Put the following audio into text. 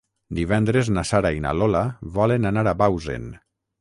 Divendres na Sara i na Lola volen anar a Bausen.